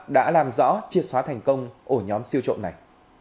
đã làm rõ triệt xóa thành công ổ nhóm siêu trộm này